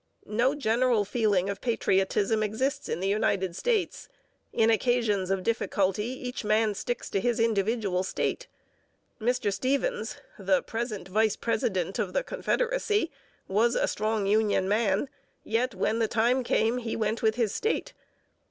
No general feeling of patriotism exists in the United States. In occasions of difficulty each man sticks to his individual state. Mr Stephens, the present vice president [of the Confederacy], was a strong union man, yet, when the time came, he went with his state.